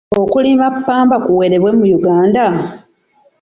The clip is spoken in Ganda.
Okulima ppamba kuwerebwe mu Uganda?